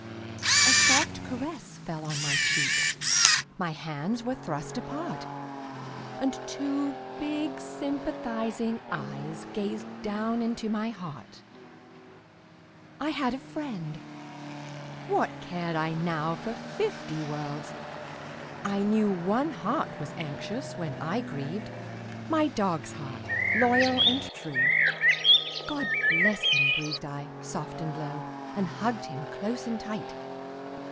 A soft caress fell on my cheek, My hands were thrust apart. And two big sympathizing eyes Gazed down into my heart. I had a friend; what cared I now For fifty worlds? I knew One heart was anxious when I grieved My dog's heart, loyal, true. "God bless him," breathed I soft and low, And hugged him close and tight.